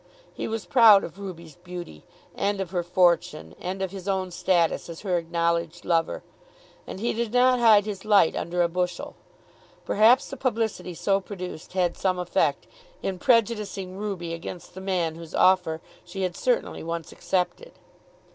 He was proud of Ruby's beauty, and of her fortune, and of his own status as her acknowledged lover, and he did not hide his light under a bushel. Perhaps the publicity so produced had some effect in prejudicing Ruby against the man whose offer she had certainly once accepted.